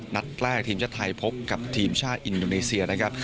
นัดแรกทีมชาติไทยพบกับทีมชาติอินโดนีเซียนะครับ